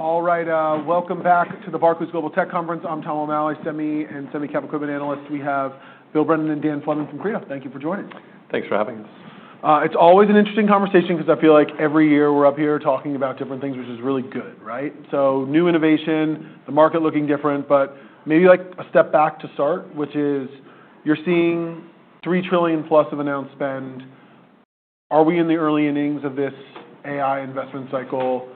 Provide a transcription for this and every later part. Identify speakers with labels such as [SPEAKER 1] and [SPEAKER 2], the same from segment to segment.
[SPEAKER 1] All right. Welcome back to the Barclays Global Tech Conference. I'm Tom O'Malley, Semi and Semi-Cap Equipment Analyst. We have Bill Brennan and Dan Fleming from Credo. Thank you for joining.
[SPEAKER 2] Thanks for having us.
[SPEAKER 1] It's always an interesting conversation because I feel like every year we're up here talking about different things, which is really good, right? so new innovation, the market looking different, but maybe a step back to start, which is you're seeing $3 trillion plus of announced spend. Are we in the early innings of this AI investment cycle?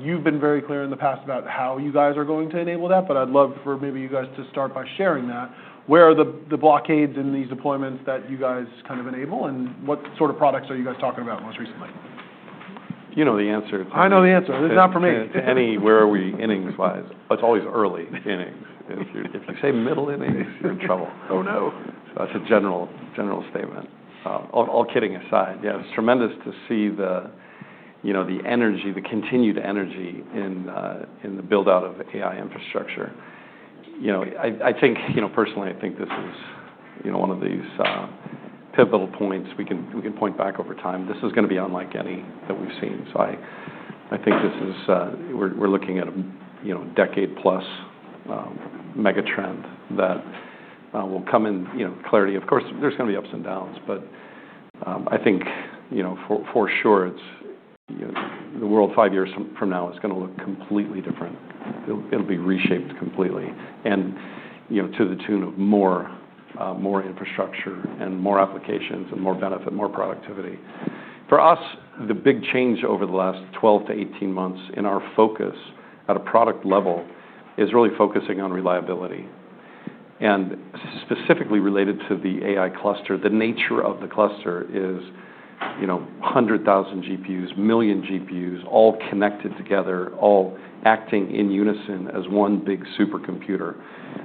[SPEAKER 1] You've been very clear in the past about how you guys are going to enable that, but I'd love for maybe you guys to start by sharing that. Where are the blockades in these deployments that you guys kind of enable, and what sort of products are you guys talking about most recently?
[SPEAKER 2] You know the answer.
[SPEAKER 3] I know the answer. It's not for me.
[SPEAKER 2] Too early, where are we innings-wise? It's always early innings. If you say middle innings, you're in trouble.
[SPEAKER 3] Oh, no.
[SPEAKER 2] That's a general statement. All kidding aside, yeah, it's tremendous to see the energy, the continued energy in the build-out of AI infrastructure. I think, personally, I think this is one of these pivotal points we can point back over time. This is going to be unlike any that we've seen, so I think this is we're looking at a decade-plus mega trend that will come in clarity. Of course, there's going to be ups and downs, but I think for sure the world five years from now is going to look completely different. It'll be reshaped completely and to the tune of more infrastructure and more applications and more benefit, more productivity. For us, the big change over the last 12-18 months in our focus at a product level is really focusing on reliability. And specifically related to the AI cluster, the nature of the cluster is 100,000 GPUs, million GPUs, all connected together, all acting in unison as one big supercomputer.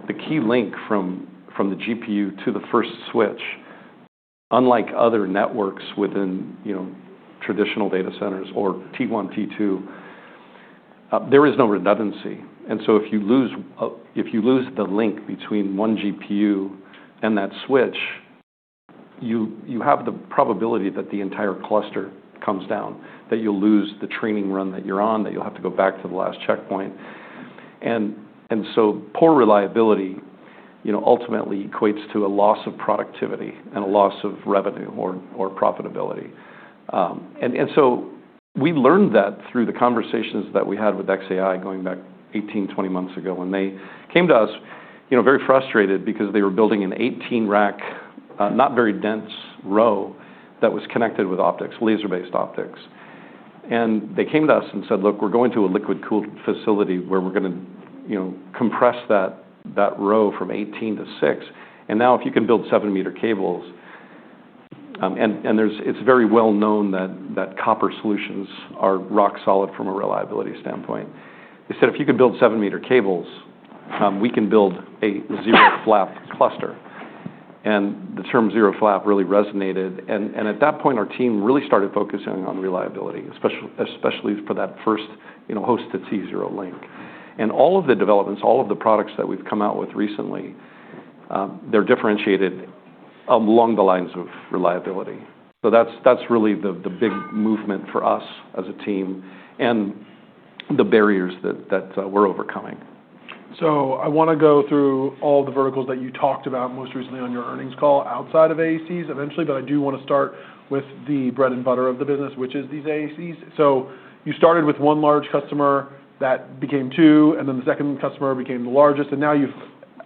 [SPEAKER 2] The key link from the GPU to the first switch, unlike other networks within traditional data centers or Tier 1, Tier 2, there is no redundancy. And so if you lose the link between one GPU and that switch, you have the probability that the entire cluster comes down, that you'll lose the training run that you're on, that you'll have to go back to the last checkpoint. And so poor reliability ultimately equates to a loss of productivity and a loss of revenue or profitability. And so we learned that through the conversations that we had with xAI going back 18, 20 months ago, and they came to us very frustrated because they were building an 18-rack, not very dense row that was connected with optics, laser-based optics. And they came to us and said, "Look, we're going to a liquid-cooled facility where we're going to compress that row from 18 to 6. And now if you can build seven-meter cables," and it's very well known that copper solutions are rock solid from a reliability standpoint. They said, "If you can build seven-meter cables, we can build a ZeroFlap cluster." And the term ZeroFlap really resonated. And at that point, our team really started focusing on reliability, especially for that first hosted T0 link. And all of the developments, all of the products that we've come out with recently, they're differentiated along the lines of reliability. So that's really the big movement for us as a team and the barriers that we're overcoming.
[SPEAKER 1] So I want to go through all the verticals that you talked about most recently on your earnings call outside of AECs eventually, but I do want to start with the bread and butter of the business, which is these AECs. So you started with one large customer that became two, and then the second customer became the largest, and now you've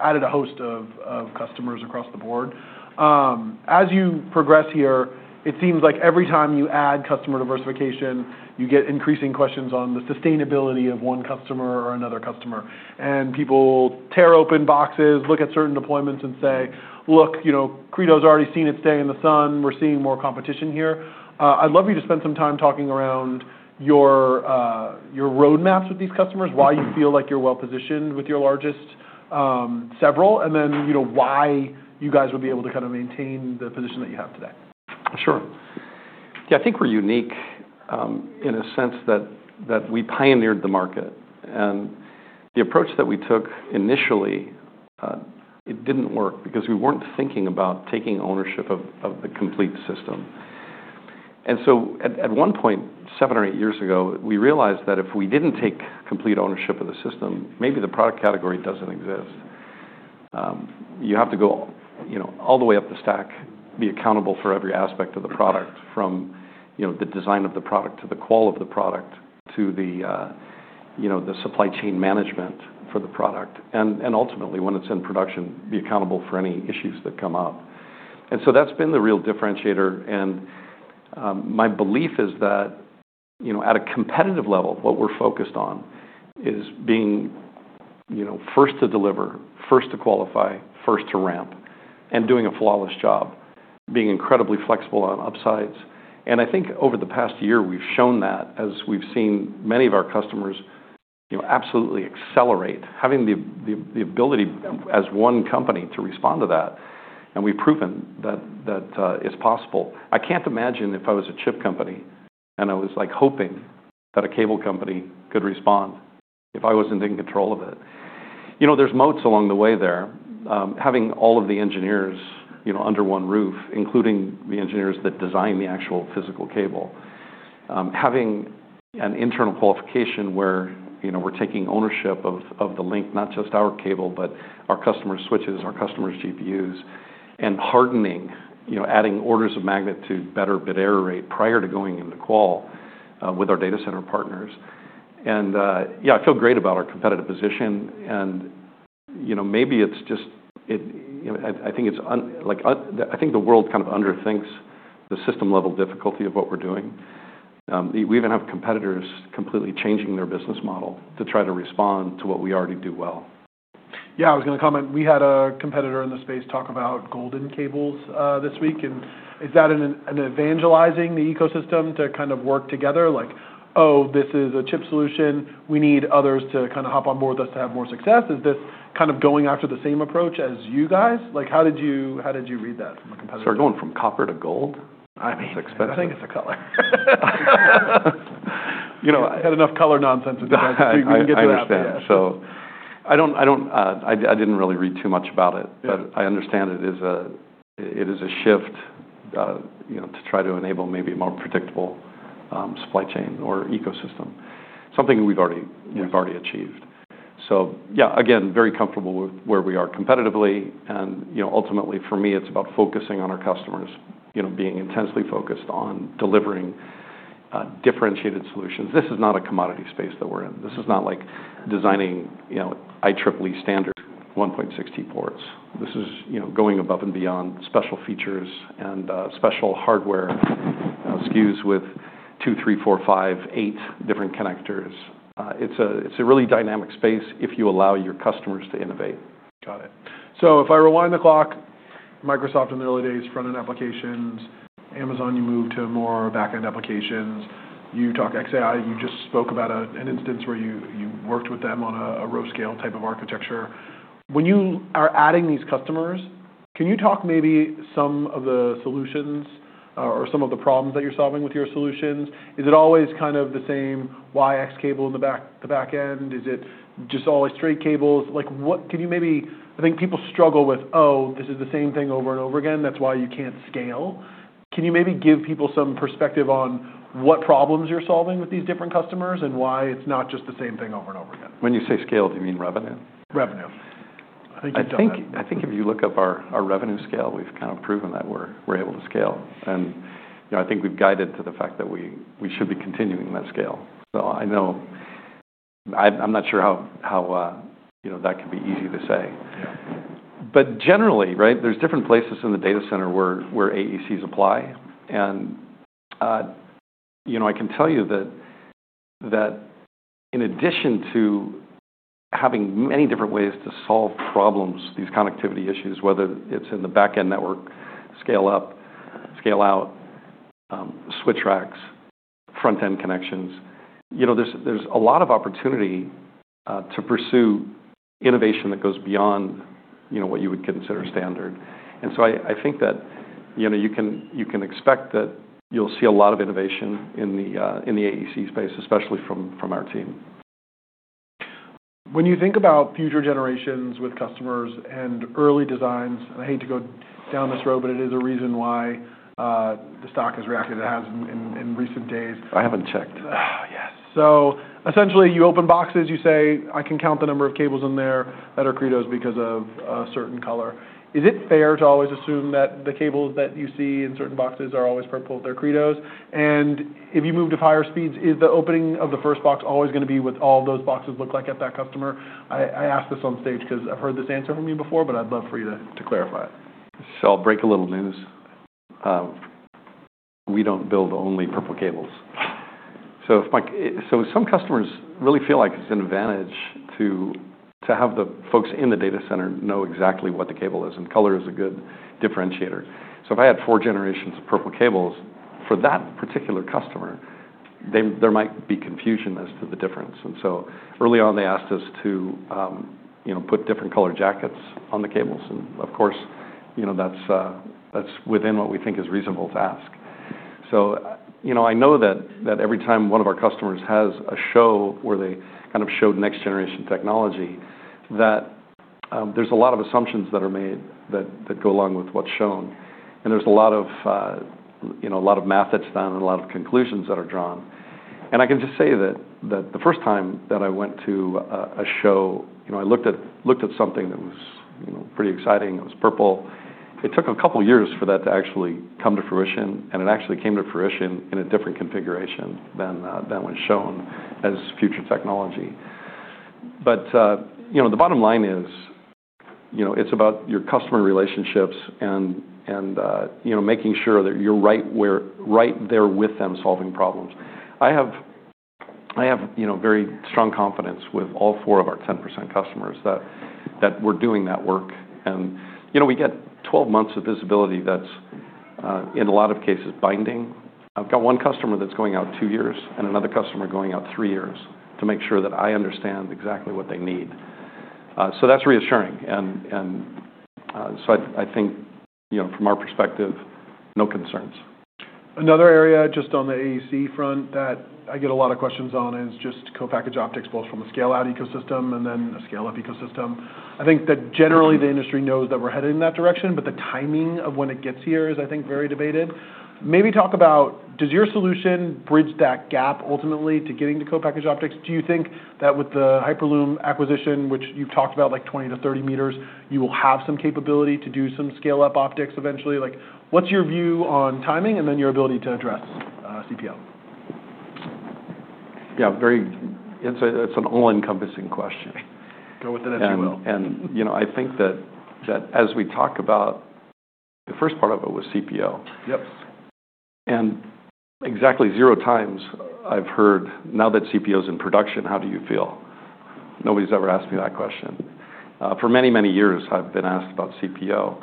[SPEAKER 1] added a host of customers across the board. As you progress here, it seems like every time you add customer diversification, you get increasing questions on the sustainability of one customer or another customer. And people tear open boxes, look at certain deployments, and say, "Look, Credo's already seen its day in the sun. We're seeing more competition here." I'd love you to spend some time talking around your roadmaps with these customers, why you feel like you're well-positioned with your largest several, and then why you guys would be able to kind of maintain the position that you have today?
[SPEAKER 2] Sure. Yeah, I think we're unique in a sense that we pioneered the market, and the approach that we took initially, it didn't work because we weren't thinking about taking ownership of the complete system, and so at one point, seven or eight years ago, we realized that if we didn't take complete ownership of the system, maybe the product category doesn't exist. You have to go all the way up the stack, be accountable for every aspect of the product, from the design of the product to the qual of the product to the supply chain management for the product, and ultimately, when it's in production, be accountable for any issues that come up, and so that's been the real differentiator. And my belief is that at a competitive level, what we're focused on is being first to deliver, first to qualify, first to ramp, and doing a flawless job, being incredibly flexible on upsides. And I think over the past year, we've shown that as we've seen many of our customers absolutely accelerate, having the ability as one company to respond to that. And we've proven that it's possible. I can't imagine if I was a chip company and I was hoping that a cable company could respond if I wasn't in control of it. There's moats along the way there. Having all of the engineers under one roof, including the engineers that design the actual physical cable, having an internal qualification where we're taking ownership of the link, not just our cable, but our customer's switches, our customer's GPUs, and hardening, adding orders of magnitude better bit error rate prior to going into qual with our data center partners. And yeah, I feel great about our competitive position. And maybe it's just, I think, the world kind of underthinks the system-level difficulty of what we're doing. We even have competitors completely changing their business model to try to respond to what we already do well.
[SPEAKER 1] Yeah, I was going to comment. We had a competitor in the space talk about golden cables this week, and is that them evangelizing the ecosystem to kind of work together? Like, "Oh, this is a chip solution. We need others to kind of hop on board with us to have more success." Is this kind of going after the same approach as you guys? How did you read that from a competitor?
[SPEAKER 2] So we're going from copper to gold? I mean, it's expensive.
[SPEAKER 3] I think it's a color.
[SPEAKER 2] I had enough color nonsense in the past.
[SPEAKER 3] No, I understand.
[SPEAKER 2] So I didn't really read too much about it, but I understand it is a shift to try to enable maybe a more predictable supply chain or ecosystem, something we've already achieved. So yeah, again, very comfortable with where we are competitively. And ultimately, for me, it's about focusing on our customers, being intensely focused on delivering differentiated solutions. This is not a commodity space that we're in. This is not like designing IEEE standard 1.6T ports. This is going above and beyond special features and special hardware SKUs with two, three, four, five, eight different connectors. It's a really dynamic space if you allow your customers to innovate.
[SPEAKER 1] Got it, so if I rewind the clock, Microsoft in the early days front-end applications, Amazon, you moved to more back-end applications. You talk xAI. You just spoke about an instance where you worked with them on a row-scale type of architecture. When you are adding these customers, can you talk maybe some of the solutions or some of the problems that you're solving with your solutions? Is it always kind of the same AEC cable in the back end? Is it just always straight cables? Can you maybe, I think people struggle with, "Oh, this is the same thing over and over again. That's why you can't scale." Can you maybe give people some perspective on what problems you're solving with these different customers and why it's not just the same thing over and over again?
[SPEAKER 2] When you say scale, do you mean revenue?
[SPEAKER 3] Revenue. I think you don't.
[SPEAKER 2] I think if you look at our revenue scale, we've kind of proven that we're able to scale, and I think we've guided to the fact that we should be continuing that scale, so I know I'm not sure how that could be easy to say, but generally, right, there's different places in the data center where AECs apply, and I can tell you that in addition to having many different ways to solve problems, these connectivity issues, whether it's in the back-end network, scale up, scale out, switch racks, front-end connections, there's a lot of opportunity to pursue innovation that goes beyond what you would consider standard, and so I think that you can expect that you'll see a lot of innovation in the AEC space, especially from our team.
[SPEAKER 1] When you think about future generations with customers and early designs, and I hate to go down this road, but it is a reason why the stock has reacted as in recent days.
[SPEAKER 2] I haven't checked.
[SPEAKER 1] Oh, yes, so essentially, you open boxes, you say, "I can count the number of cables in there that are Credo's because of a certain color." Is it fair to always assume that the cables that you see in certain boxes are always purple? They're Credo's, and if you move to higher speeds, is the opening of the first box always going to be what all those boxes look like at that customer? I asked this on stage because I've heard this answer from you before, but I'd love for you to clarify it.
[SPEAKER 2] So I'll break a little news. We don't build only purple cables. So some customers really feel like it's an advantage to have the folks in the data center know exactly what the cable is, and color is a good differentiator. So if I had four generations of purple cables for that particular customer, there might be confusion as to the difference. And so early on, they asked us to put different color jackets on the cables. And of course, that's within what we think is reasonable to ask. So I know that every time one of our customers has a show where they kind of show next-generation technology, that there's a lot of assumptions that are made that go along with what's shown. And there's a lot of math that's done and a lot of conclusions that are drawn. And I can just say that the first time that I went to a show, I looked at something that was pretty exciting. It was purple. It took a couple of years for that to actually come to fruition, and it actually came to fruition in a different configuration than was shown as future technology. But the bottom line is it's about your customer relationships and making sure that you're right there with them solving problems. I have very strong confidence with all four of our 10% customers that we're doing that work. And we get 12 months of visibility that's, in a lot of cases, binding. I've got one customer that's going out two years and another customer going out three years to make sure that I understand exactly what they need. So that's reassuring. And so I think from our perspective, no concerns.
[SPEAKER 1] Another area just on the AEC front that I get a lot of questions on is just co-packaged optics, both from a scale-out ecosystem and then a scale-up ecosystem. I think that generally the industry knows that we're headed in that direction, but the timing of when it gets here is, I think, very debated. Maybe talk about, does your solution bridge that gap ultimately to getting to co-packaged optics? Do you think that with the Hyperloom acquisition, which you've talked about, like 20-30 meters, you will have some capability to do some scale-up optics eventually? What's your view on timing and then your ability to address CPO?
[SPEAKER 2] Yeah, it's an all-encompassing question.
[SPEAKER 3] Go with it as you will.
[SPEAKER 2] And I think that as we talk about the first part of it was CPO. And exactly zero times I've heard, "Now that CPO's in production, how do you feel?" Nobody's ever asked me that question. For many, many years, I've been asked about CPO.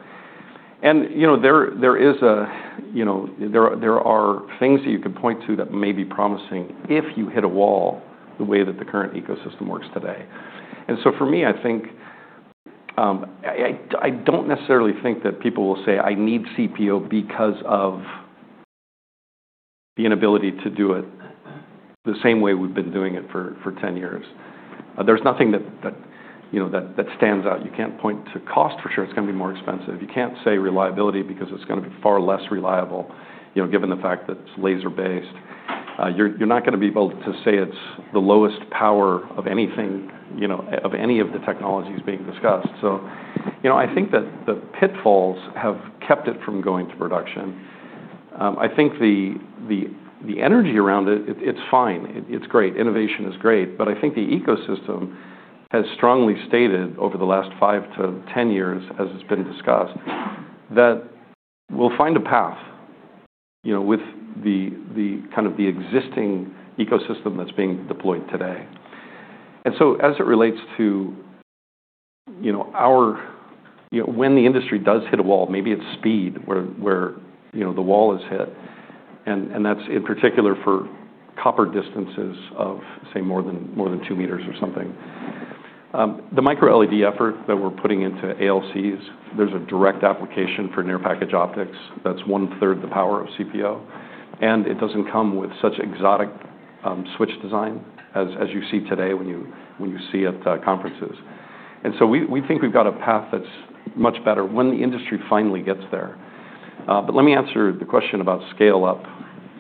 [SPEAKER 2] And there are things that you can point to that may be promising if you hit a wall the way that the current ecosystem works today. And so for me, I don't necessarily think that people will say, "I need CPO because of the inability to do it the same way we've been doing it for 10 years." There's nothing that stands out. You can't point to cost for sure. It's going to be more expensive. You can't say reliability because it's going to be far less reliable given the fact that it's laser-based. You're not going to be able to say it's the lowest power of anything, of any of the technologies being discussed. So I think that the pitfalls have kept it from going to production. I think the energy around it, it's fine. It's great. Innovation is great. But I think the ecosystem has strongly stated over the last five to 10 years, as it's been discussed, that we'll find a path with kind of the existing ecosystem that's being deployed today. And so as it relates to when the industry does hit a wall, maybe it's speed where the wall is hit. And that's in particular for copper distances of, say, more than two meters or something. The micro-LED effort that we're putting into ALCs, there's a direct application for near-package optics. That's one-third the power of CPO. It doesn't come with such exotic switch design as you see today when you see at conferences. We think we've got a path that's much better when the industry finally gets there. Let me answer the question about scale-up.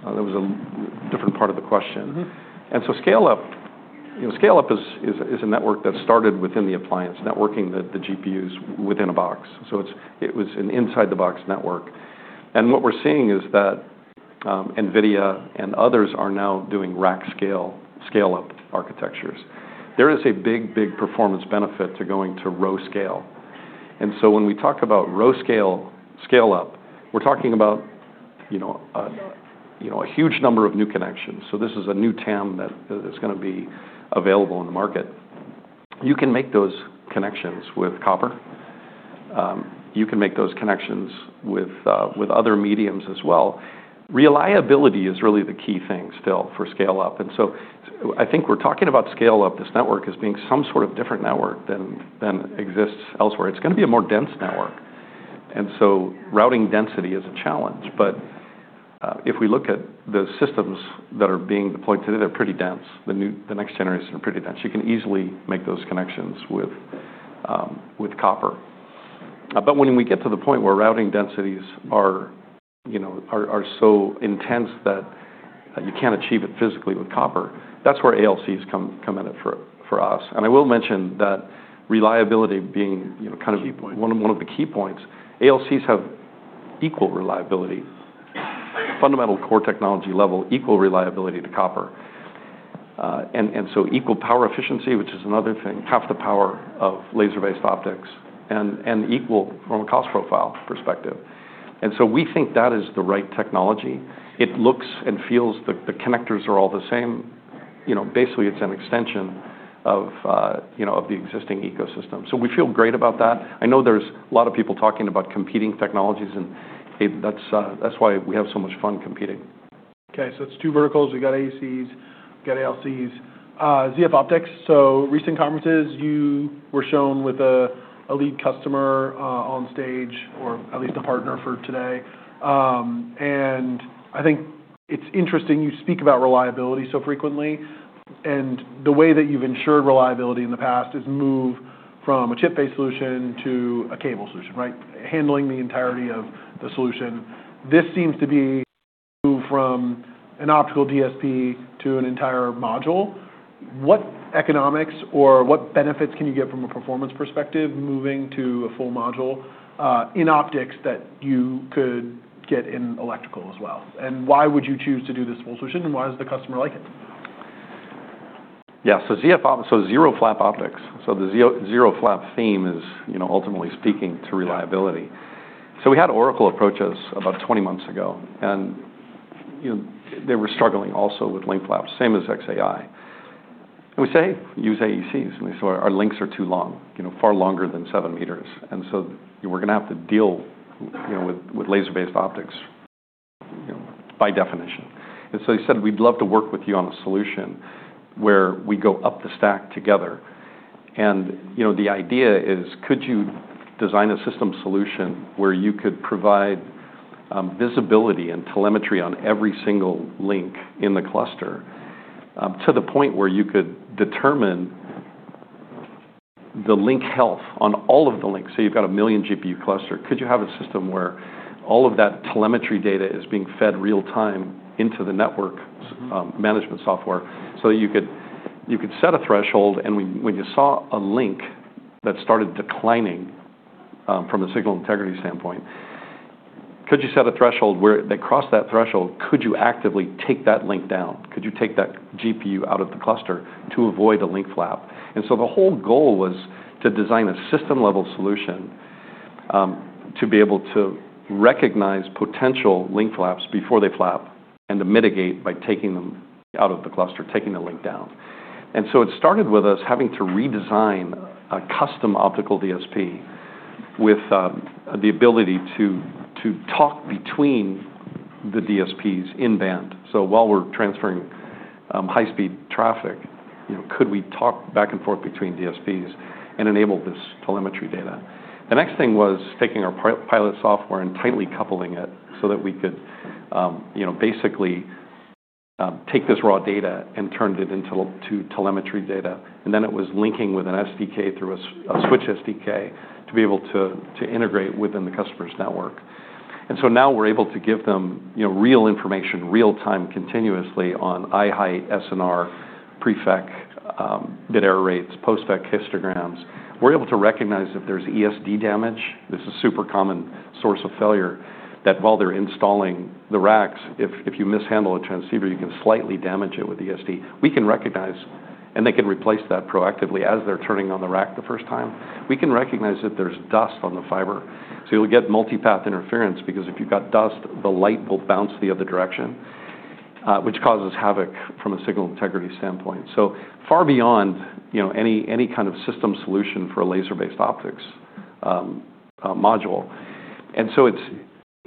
[SPEAKER 2] That was a different part of the question. Scale-up is a network that started within the appliance, networking the GPUs within a box. It was an inside-the-box network. What we're seeing is that NVIDIA and others are now doing rack scale-up architectures. There is a big, big performance benefit to going to row scale. When we talk about row scale-up, we're talking about a huge number of new connections. This is a new TAM that is going to be available in the market. You can make those connections with copper. You can make those connections with other mediums as well. Reliability is really the key thing still for scale-up, and so I think we're talking about scale-up this network as being some sort of different network than exists elsewhere. It's going to be a more dense network, and so routing density is a challenge, but if we look at the systems that are being deployed today, they're pretty dense. The next generation are pretty dense. You can easily make those connections with copper, but when we get to the point where routing densities are so intense that you can't achieve it physically with copper, that's where ALCs come in for us, and I will mention that reliability being kind of one of the key points, ALCs have equal reliability, fundamental core technology level, equal reliability to copper, and so equal power efficiency, which is another thing, half the power of laser-based optics, and equal from a cost profile perspective. And so we think that is the right technology. It looks and feels the connectors are all the same. Basically, it's an extension of the existing ecosystem. So we feel great about that. I know there's a lot of people talking about competing technologies, and that's why we have so much fun competing.
[SPEAKER 1] Okay. So it's two verticals. We've got AECs. We've got ALCs. ZeroF Optics. So recent conferences, you were shown with a lead customer on stage, or at least a partner for today. And I think it's interesting you speak about reliability so frequently. And the way that you've ensured reliability in the past is move from a chip-based solution to a cable solution, right? Handling the entirety of the solution. This seems to be move from an optical DSP to an entire module. What economics or what benefits can you get from a performance perspective moving to a full module in optics that you could get in electrical as well? And why would you choose to do this full solution, and why does the customer like it?
[SPEAKER 2] Yeah. So ZeroFlap Optics. So the ZeroFlap theme is, ultimately speaking, to reliability. So we had Oracle approach us about 20 months ago, and they were struggling also with link flaps, same as xAI. And we said, "Hey, use AECs." And they said, "Our links are too long, far longer than 7 meters." And so we're going to have to deal with laser-based optics by definition. And so they said, "We'd love to work with you on a solution where we go up the stack together." And the idea is, could you design a system solution where you could provide visibility and telemetry on every single link in the cluster to the point where you could determine the link health on all of the links? So you've got a million GPU cluster. Could you have a system where all of that telemetry data is being fed real-time into the network management software so that you could set a threshold? And when you saw a link that started declining from a signal integrity standpoint, could you set a threshold where they cross that threshold? Could you actively take that link down? Could you take that GPU out of the cluster to avoid a link flap? And so the whole goal was to design a system-level solution to be able to recognize potential link flaps before they flap and to mitigate by taking them out of the cluster, taking the link down. And so it started with us having to redesign a custom optical DSP with the ability to talk between the DSPs in band. So while we're transferring high-speed traffic, could we talk back and forth between DSPs and enable this telemetry data? The next thing was taking our pilot software and tightly coupling it so that we could basically take this raw data and turn it into telemetry data. And then it was linking with an SDK through a switch SDK to be able to integrate within the customer's network. And so now we're able to give them real information, real-time, continuously on eye height, SNR, pre-FEC, bit error rates, post-FEC histograms. We're able to recognize if there's ESD damage. This is a super common source of failure that while they're installing the racks, if you mishandle a transceiver, you can slightly damage it with ESD. We can recognize, and they can replace that proactively as they're turning on the rack the first time. We can recognize that there's dust on the fiber. So you'll get multi-path interference because if you've got dust, the light will bounce the other direction, which causes havoc from a signal integrity standpoint. So far beyond any kind of system solution for a laser-based optics module. And so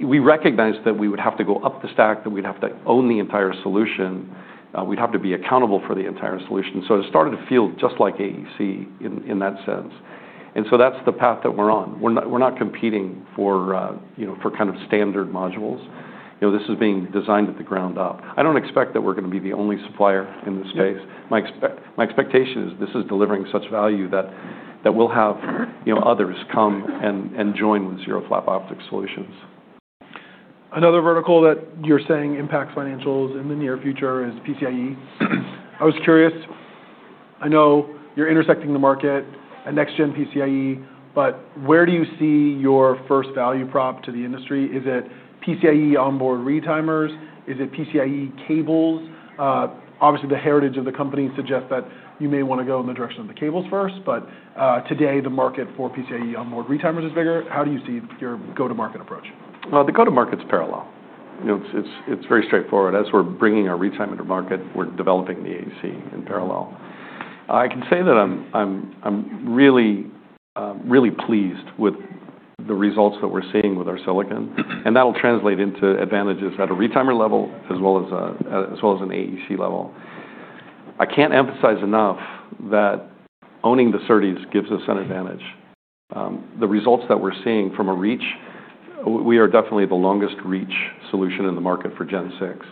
[SPEAKER 2] we recognize that we would have to go up the stack, that we'd have to own the entire solution. We'd have to be accountable for the entire solution. So it started to feel just like AEC in that sense. And so that's the path that we're on. We're not competing for kind of standard modules. This is being designed at the ground up. I don't expect that we're going to be the only supplier in this space. My expectation is this is delivering such value that we'll have others come and join with ZeroFlap Optics solutions.
[SPEAKER 1] Another vertical that you're saying impacts financials in the near future is PCIe. I was curious. I know you're intersecting the market, a next-gen PCIe, but where do you see your first value prop to the industry? Is it PCIe onboard retimers? Is it PCIe cables? Obviously, the heritage of the company suggests that you may want to go in the direction of the cables first, but today the market for PCIe onboard retimers is bigger. How do you see your go-to-market approach?
[SPEAKER 2] The go-to-market's parallel. It's very straightforward. As we're bringing our retimer to market, we're developing the AEC in parallel. I can say that I'm really, really pleased with the results that we're seeing with our silicon, and that'll translate into advantages at a retimer level as well as an AEC level. I can't emphasize enough that owning the SerDes gives us an advantage. The results that we're seeing from a reach, we are definitely the longest reach solution in the market for Gen 6.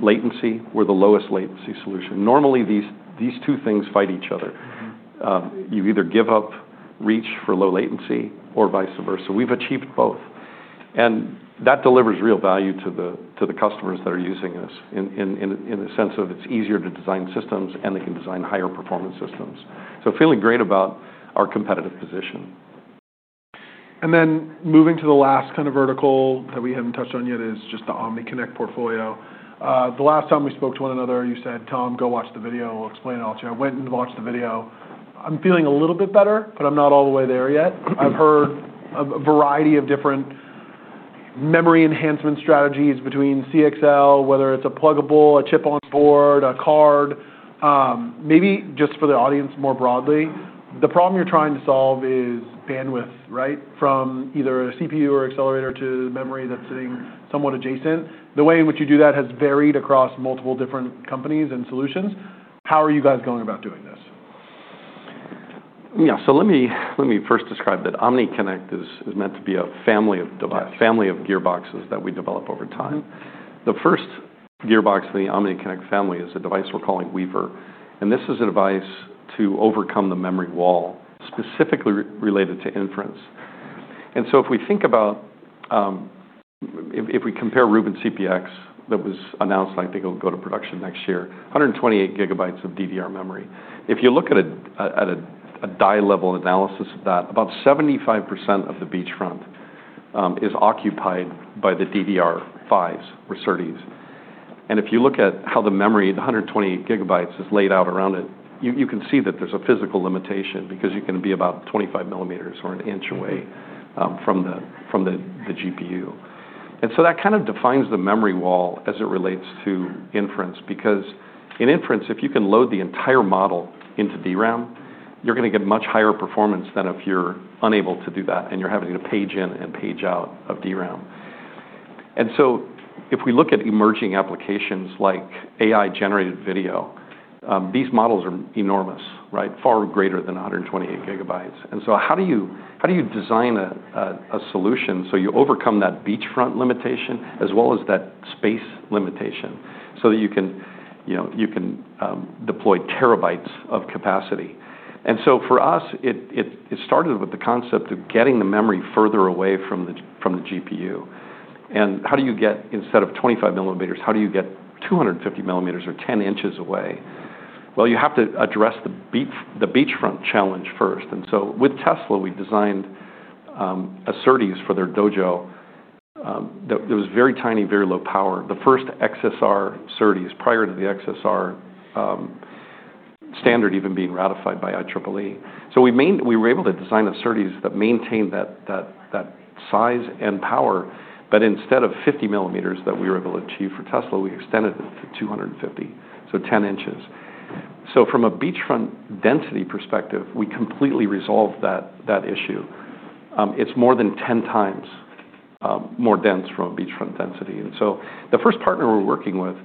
[SPEAKER 2] Latency, we're the lowest latency solution. Normally, these two things fight each other. You either give up reach for low latency or vice versa. We've achieved both, and that delivers real value to the customers that are using us in the sense of it's easier to design systems and they can design higher performance systems, so feeling great about our competitive position.
[SPEAKER 1] And then moving to the last kind of vertical that we haven't touched on yet is just the OmniConnect portfolio. The last time we spoke to one another, you said, "Tom, go watch the video. We'll explain it all to you." I went and watched the video. I'm feeling a little bit better, but I'm not all the way there yet. I've heard a variety of different memory enhancement strategies between CXL, whether it's a pluggable, a chip on board, a card. Maybe just for the audience more broadly, the problem you're trying to solve is bandwidth, right? From either a CPU or accelerator to memory that's sitting somewhat adjacent. The way in which you do that has varied across multiple different companies and solutions. How are you guys going about doing this?
[SPEAKER 2] Yeah. So let me first describe that. OmniConnect is meant to be a family of gearboxes that we develop over time. The first gearbox in the OmniConnect family is a device we're calling Weaver. And this is a device to overcome the memory wall, specifically related to inference. And so if we think about, if we compare Rubin CPU that was announced, I think it'll go to production next year, 128 gigabytes of DDR memory. If you look at a die-level analysis of that, about 75% of the beachfront is occupied by the DDR5s or SerDes. And if you look at how the memory, the 128 gigabytes is laid out around it, you can see that there's a physical limitation because you can be about 25 millimeters or an inch away from the GPU. And so that kind of defines the memory wall as it relates to inference because in inference, if you can load the entire model into DRAM, you're going to get much higher performance than if you're unable to do that and you're having to page in and page out of DRAM. And so if we look at emerging applications like AI-generated video, these models are enormous, right? Far greater than 128 gigabytes. And so how do you design a solution so you overcome that beachfront limitation as well as that space limitation so that you can deploy terabytes of capacity? And so for us, it started with the concept of getting the memory further away from the GPU. And how do you get, instead of 25 millimeters, how do you get 250 millimeters or 10 inches away? Well, you have to address the beachfront challenge first. With Tesla, we designed a SerDes for their Dojo that was very tiny, very low power. The first XSR SerDes prior to the XSR standard even being ratified by IEEE. We were able to design a SerDes that maintained that size and power, but instead of 50 millimeters that we were able to achieve for Tesla, we extended it to 250, so 10 inches. From a beachfront density perspective, we completely resolved that issue. It's more than 10 times more dense from a beachfront density. The first partner we're working with,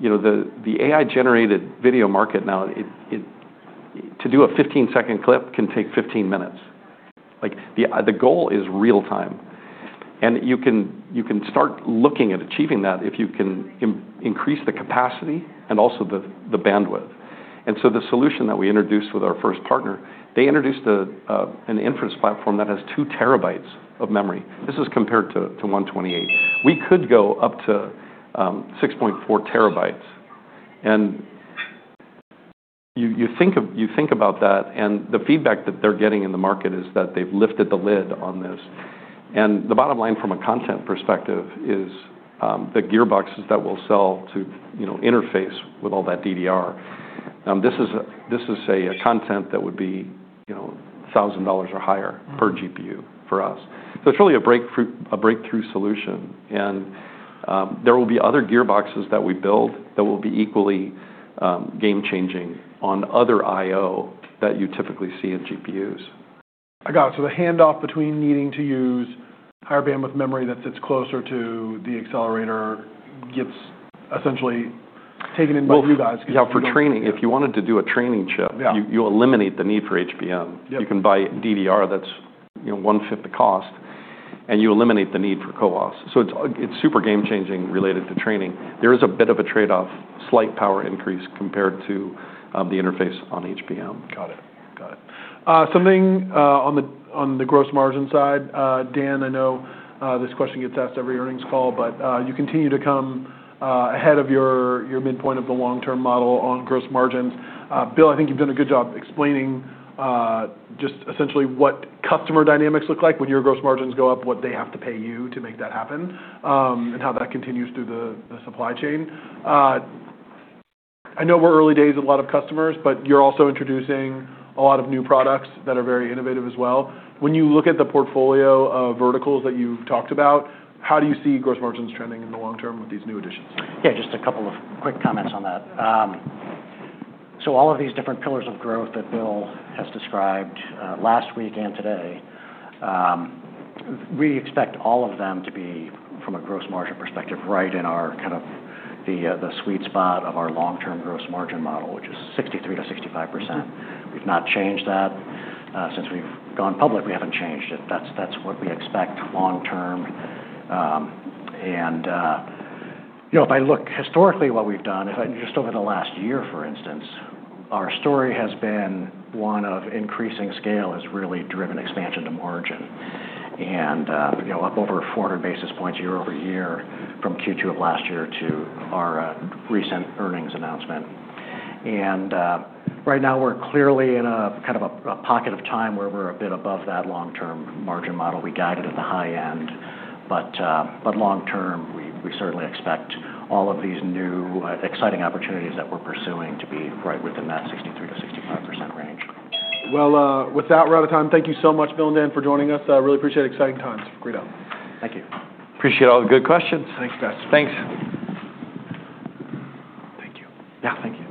[SPEAKER 2] the AI-generated video market now, to do a 15-second clip can take 15 minutes. The goal is real-time. You can start looking at achieving that if you can increase the capacity and also the bandwidth. And so the solution that we introduced with our first partner, they introduced an inference platform that has two terabytes of memory. This is compared to 128. We could go up to 6.4 terabytes. And you think about that, and the feedback that they're getting in the market is that they've lifted the lid on this. And the bottom line from a content perspective is the gearboxes that we'll sell to interface with all that DDR. This is a content that would be $1,000 or higher per GPU for us. So it's really a breakthrough solution. And there will be other gearboxes that we build that will be equally game-changing on other I/O that you typically see in GPUs.
[SPEAKER 1] I got it. So the handoff between needing to use higher bandwidth memory that sits closer to the accelerator gets essentially taken in by you guys.
[SPEAKER 2] Yeah. For training, if you wanted to do a training chip, you eliminate the need for HBM. You can buy DDR that's one fifth the cost, and you eliminate the need for CPOs. So it's super game-changing related to training. There is a bit of a trade-off, slight power increase compared to the interface on HBM.
[SPEAKER 1] Got it. Got it. Something on the gross margin side, Dan, I know this question gets asked every earnings call, but you continue to come ahead of your midpoint of the long-term model on gross margins. Bill, I think you've done a good job explaining just essentially what customer dynamics look like when your gross margins go up, what they have to pay you to make that happen, and how that continues through the supply chain. I know we're early days with a lot of customers, but you're also introducing a lot of new products that are very innovative as well. When you look at the portfolio of verticals that you've talked about, how do you see gross margins trending in the long term with these new additions?
[SPEAKER 3] Yeah. Just a couple of quick comments on that. So all of these different pillars of growth that Bill has described last week and today, we expect all of them to be, from a gross margin perspective, right in our kind of the sweet spot of our long-term gross margin model, which is 63%-65%. We've not changed that. Since we've gone public, we haven't changed it. That's what we expect long-term. And if I look historically at what we've done, just over the last year, for instance, our story has been one of increasing scale has really driven expansion to margin and up over 400 basis points year-over-year from Q2 of last year to our recent earnings announcement. And right now, we're clearly in a kind of a pocket of time where we're a bit above that long-term margin model. We guided at the high end, but long-term, we certainly expect all of these new exciting opportunities that we're pursuing to be right within that 63%-65% range.
[SPEAKER 1] With that, we're out of time. Thank you so much, Bill and Dan, for joining us. I really appreciate exciting times. Great out.
[SPEAKER 3] Thank you.
[SPEAKER 2] Appreciate all the good questions.
[SPEAKER 1] Thanks, guys.
[SPEAKER 2] Thanks.
[SPEAKER 1] Thank you.
[SPEAKER 3] Yeah. Thank you.